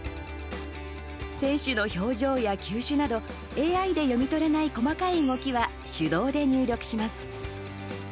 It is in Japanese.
選手の表情や球種などＡＩで読み取れない細かい動きは手動で入力します。